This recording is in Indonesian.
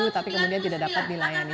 tapi kemudian tidak dapat dilayani